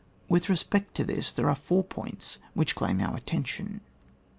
With re spect to this there are four points which claim our attention.